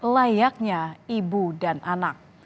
layaknya ibu dan anak